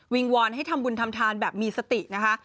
วอนให้ทำบุญทำทานแบบมีสตินะคะ